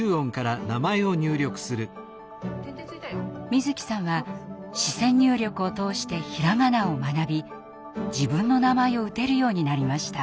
みづきさんは視線入力を通して平仮名を学び自分の名前を打てるようになりました。